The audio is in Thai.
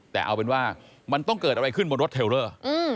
แต่เอาเป็นว่ามันต้องเกิดอะไรขึ้นบนรถเทลเลอร์